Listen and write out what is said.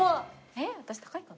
えっ私高いかな？